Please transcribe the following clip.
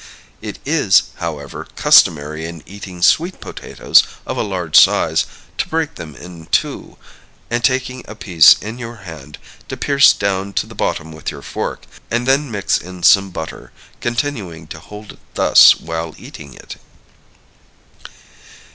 It is, however, customary in eating sweet potatoes of a large size to break them in two, and, taking a piece in your hand, to pierce down to the bottom with your fork, and then mix in some butter, continuing to hold it thus while eating it.